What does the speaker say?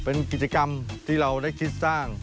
เป็นกิจกรรมที่เราได้คิดสร้าง